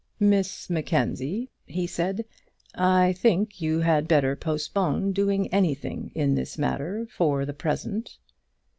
"Miss Mackenzie," he said, "I think you had better postpone doing anything in this matter for the present."